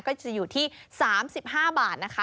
ก็จะอยู่ที่๓๕บาทนะคะ